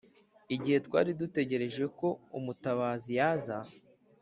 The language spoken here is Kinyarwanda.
igihe twari dutegereje ko umutabazi yaza;